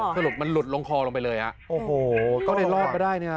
คือหลับมาหลุดลงลงคอลงไปเลยอ่ะโอ้โหต้องลยรอดมาได้เนี่ย